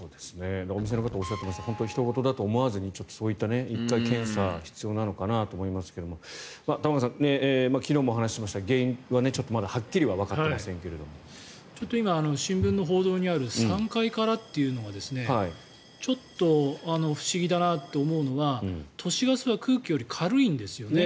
お店の方がおっしゃっていましたがひと事だと思わずにそういった１回、検査が必要なのかなと思いますが玉川さん、昨日も話しましたが原因はまだはっきりとはわかっていませんけど今、新聞の報道にある３階からというのはちょっと不思議だなと思うのは都市ガスは空気より軽いんですよね。